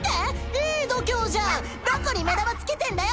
いい度胸じゃんどこに目玉つけてんだよ